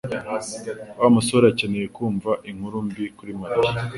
Wa musore akeneye kumva inkuru mbi kuri Mariya